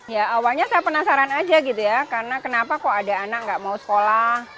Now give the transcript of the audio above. ya awalnya saya penasaran aja gitu ya karena kenapa kok ada anak nggak mau sekolah